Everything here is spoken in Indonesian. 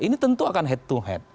ini tentu akan head to head